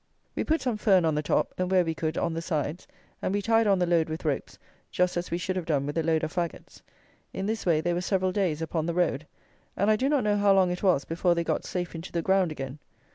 We put some fern on the top, and, where we could, on the sides; and we tied on the load with ropes, just as we should have done with a load of fagots. In this way they were several days upon the road; and I do not know how long it was before they got safe into the ground again.